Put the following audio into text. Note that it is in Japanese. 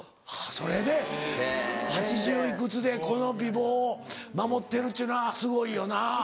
それで８０いくつでこの美貌を守ってるっちゅうのはすごいよな。